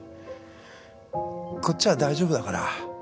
こっちは大丈夫だから